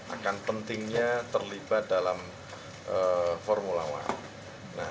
akan pentingnya terlibat dalam formula one